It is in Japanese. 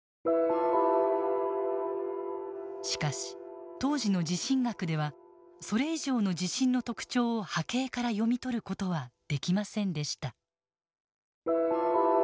しかし当時の地震学ではそれ以上の地震の特徴を波形から読み取る事はできませんでした。